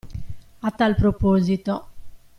A tal proposito.